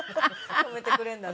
止めてくれるんだね。